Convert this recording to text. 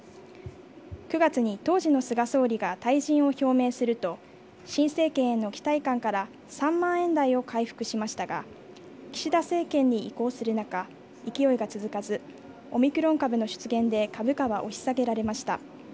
９月に当時の菅総理が退陣を表明すると新政権への期待感から３万円台を回復しましたが岸田政権に移行する中勢いが続かずオミクロン株の出現で株価は押し下げられました。